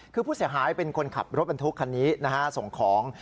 คือผู้เสียหายเป็นคนขับรถบรรทุกคันนี้นะฮะส่งของ